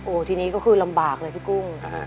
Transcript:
ทีนี้ก็คือลำบากเลยพี่กุ้ง